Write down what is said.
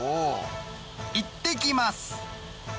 いってきます！